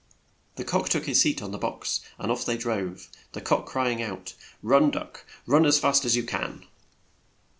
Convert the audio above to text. The cock took his seat on the box, and ofT they drove, the cock cry ing out, "Run, duck, run, as fast as you can!"